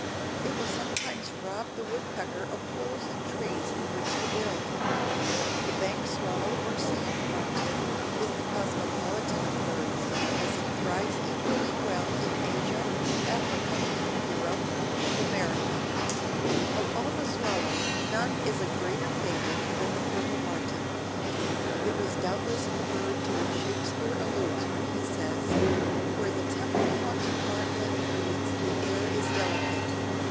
It will sometimes rob the woodpecker of holes in trees in which to build. The bank swallow or sand martin is the cosmopolitan of birds, as it thrives equally well in Asia, Africa, Europe and America. Of all the swallows none is a greater favorite than the purple martin. It was doubtless the bird to which Shakespeare alludes when he says, "Where the temple haunting martlet breeds the air is delicate."